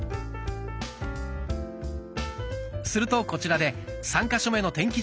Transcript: するとこちらで３か所目の天気